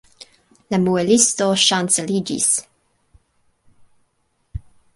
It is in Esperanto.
La muelisto ŝanceliĝis.